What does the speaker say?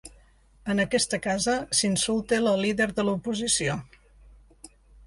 En aquesta casa s’insulta la líder de l’oposició.